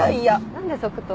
何で即答？